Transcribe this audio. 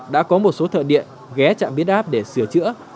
đã có một số thợ điện ghé trạm biến áp để sửa chữa